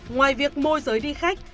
ngoài việc môi giới đi khách